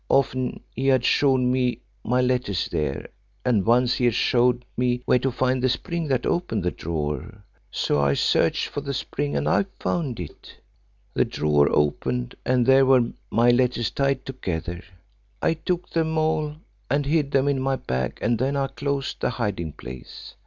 Often had he showed me my letters there, and once he had showed me where to find the spring that opened the drawer. So I searched for the spring and I found it. The drawer opened and there were my letters tied together. I took them all and hid them in my bag, and then I closed the hiding place.